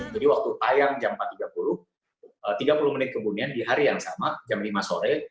jadi waktu tayang jam empat tiga puluh tiga puluh menit kebunian di hari yang sama jam lima sore